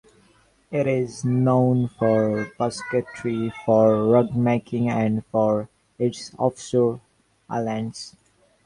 It is known for basketry, for rugmaking and for its offshore islands.